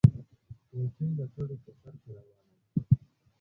کوچۍ د کډو په سر کې روانه ده